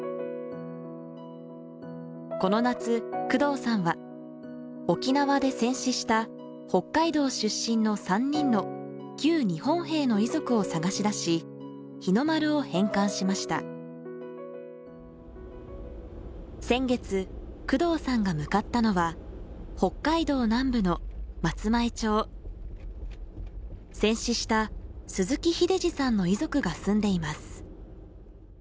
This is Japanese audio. この夏、工藤さんは沖縄で戦死した北海道出身の３人の旧日本兵の遺族を捜し出し日の丸を返還しました先月、工藤さんが向かったのは北海道南部の松前町戦死した鈴木秀二さんの遺族が住んでいます